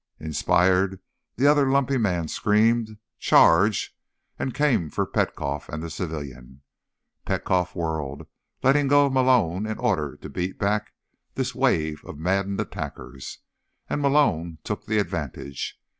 Inspired, the other lumpy man screamed "Charge!" and came for Petkoff and the civilian. Petkoff whirled, letting go of Malone in order to beat back this wave of maddened attackers, and Malone took the advantage.